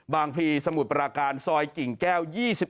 พลีสมุทรปราการซอยกิ่งแก้ว๒๑